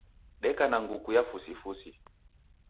Deka na nguku ya fusifusi.